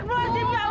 ibu aku ngerti ibu